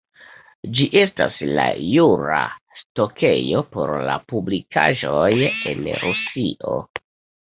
Ĝi estas la jura stokejo por la publikaĵoj en Rusio.